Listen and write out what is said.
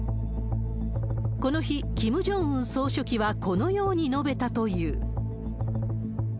この日、キム・ジョンウン総書記はこのように述べたという。